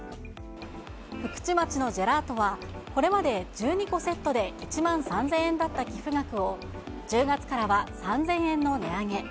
福智町のジェラートは、これまで１２個セットで、１万３０００円だった寄付額を、１０月からは３０００円の値上げ。